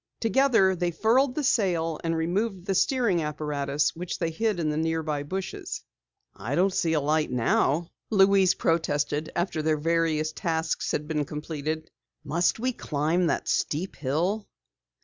Together they furled the sail and removed the steering apparatus which they hid in the nearby bushes. "I don't see a light now," Louise protested after their various tasks had been completed. "Must we climb that steep hill?"